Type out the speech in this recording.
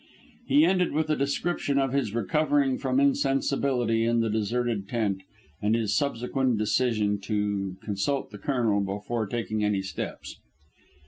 He ended with a description of his recovering from insensibility in the deserted tent and his subsequent decision to consult the Colonel before taking any steps.